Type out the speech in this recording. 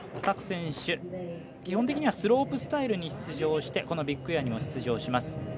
各選手、基本的にはスロープスタイルに出場してこのビッグエアにも出場します。